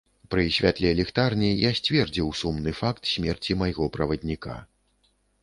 Пры святле ліхтарні я сцвердзіў сумны факт смерці майго правадніка.